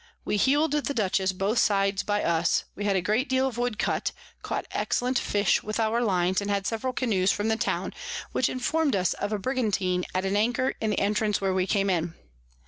We heel'd the Dutchess both sides by us, we had a great deal of Wood cut, caught excellent Fish with our Lines, and had several Canoes from the Town, which inform'd us of a Brigantine at an anchor in the Entrance where we came in.